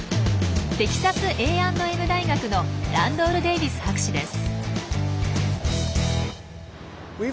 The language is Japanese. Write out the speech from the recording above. テキサスＡ＆Ｍ大学のランドール・デイビス博士です。